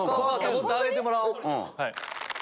もっと上げてもらおう。